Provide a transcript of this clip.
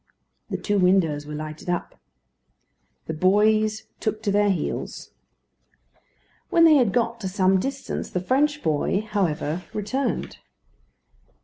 The two windows were lighted up. The boys took to their heels. When they had got to some distance, the French boy, however, returned.